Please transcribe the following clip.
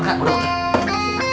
enggak bu dokter